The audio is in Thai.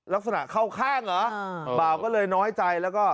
ลักษณะเข้าข้างเหรอบ่าวก็เลยน้อยใจแล้วก็